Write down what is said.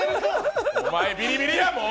お前、ビリビリや、もう！